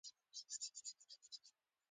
په دې سبک کې کنایې او پیچلې استعارې کارول کیږي